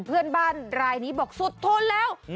เพื่อนบ้านรายนี้บอกสุดทนแล้ว